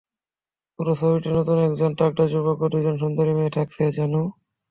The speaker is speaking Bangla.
পুরো ছবিতে নতুন একজন তাগড়া যুবক ও দুইজন সুন্দরী মেয়ে থাকছে, জানু।